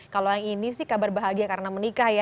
kalau yang ini sih kabar bahagia karena menikah ya